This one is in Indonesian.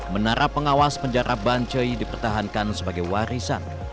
menara pengawas penjara bancoi dipertahankan sebagai warisan